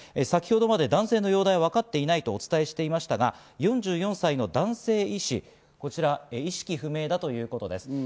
先程まで男性の容体はわかっていないとお伝えしていましたが、４４歳の男性医師が意識不明だということです。